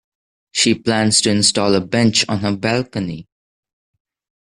She plans to install a bench on her balcony.